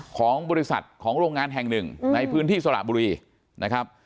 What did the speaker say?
ของบริษัทของโรงงานแห่งหนึ่งในพื้นที่สระบุรีนะครับ